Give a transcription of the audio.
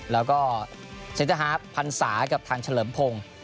แล้วก็เชษฐฮาพพันศากับทางเฉลิมพง